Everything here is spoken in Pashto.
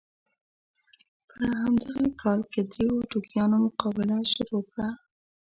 په همدغه کال کې دریو ټوکیانو مقابله شروع کړه.